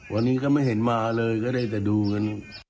วันนี้ก็ไม่เห็นมาเลยก็ได้แต่ดูกัน